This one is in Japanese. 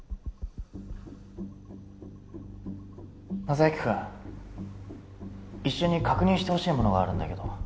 征行君一緒に確認してほしいものがあるんだけど。